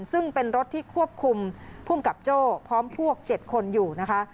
ซึ่งเป็นรถที่ควบคุมภูมิกับโจ้พร้อมพวก๗คนอยู่นะคะ